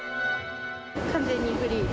完全にフリーで。